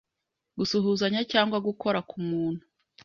Gusuhuzanya cyangwa gukora ku muntu